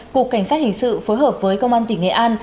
cục cảnh sát hình sự phối hợp với công an tỉnh nghệ an